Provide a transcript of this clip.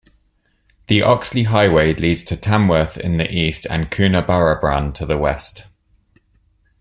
The Oxley Highway leads to Tamworth in the east and Coonabarabran to the west.